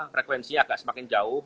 frekuensinya agak semakin jauh